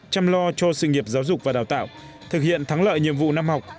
chăm lo cho sự nghiệp giáo dục và đào tạo thực hiện thắng lợi nhiệm vụ năm học